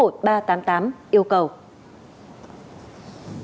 ủy ban nhân dân các tỉnh